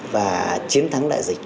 và chiến thắng đại dịch